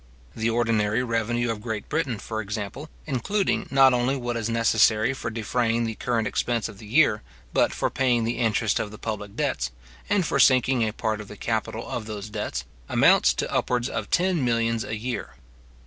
The ordinary revenue of Great Britain, for example, including not only what is necessary for defraying the current expense of the year, but for paying the interest of the public debts, and for sinking a part of the capital of those debts, amounts to upwards of ten millions a year.